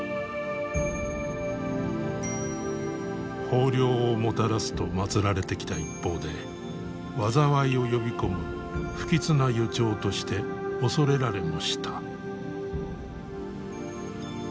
豊漁をもたらすとまつられてきた一方で災いを呼び込む不吉な予兆として恐れられもした。